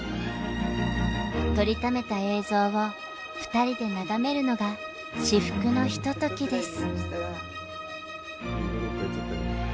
撮りためた映像を２人で眺めるのが至福のひとときです。